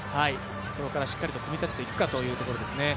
そこからしっかりと組み立てていくかというところですね。